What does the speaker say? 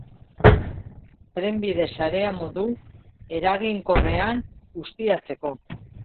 Trenbide sarea modu eraginkorrean ustiatzeko.